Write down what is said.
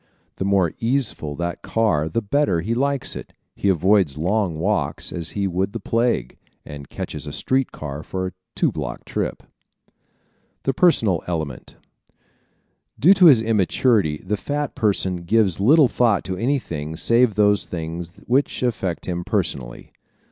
The more easeful that car the better he likes it. He avoids long walks as he would the plague, and catches a street car for a two block trip. The Personal Element ¶ Due to his immaturity, the fat person gives little thought to anything save those things which affect him personally.